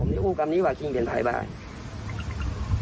แล้วอ้างด้วยว่าผมเนี่ยทำงานอยู่โรงพยาบาลดังนะฮะกู้ชีพที่เขากำลังมาประถมพยาบาลดังนะฮะ